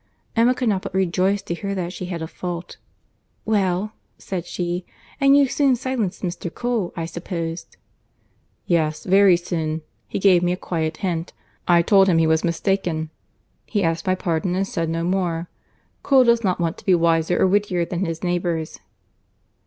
Emma could not but rejoice to hear that she had a fault. "Well," said she, "and you soon silenced Mr. Cole, I suppose?" "Yes, very soon. He gave me a quiet hint; I told him he was mistaken; he asked my pardon and said no more. Cole does not want to be wiser or wittier than his neighbours."